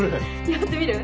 やってみる？